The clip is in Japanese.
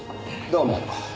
どうも。